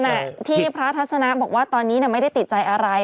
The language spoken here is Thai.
แหละที่พระทัศนะบอกว่าตอนนี้ไม่ได้ติดใจอะไร